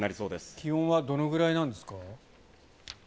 気温はどのくらいなんですか？